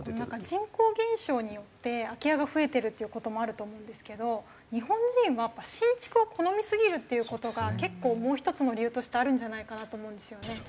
人口減少によって空き家が増えてるっていう事もあると思うんですけど日本人はやっぱり新築を好みすぎるっていう事が結構もう１つの理由としてあるんじゃないかなと思うんですよね。